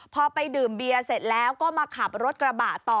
พอไปดื่มเบียร์เสร็จแล้วก็มาขับรถกระบะต่อ